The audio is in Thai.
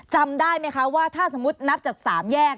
จำได้ไหมคะว่าถ้าสมมุตินับจาก๓แยก